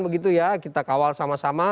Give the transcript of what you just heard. begitu ya kita kawal sama sama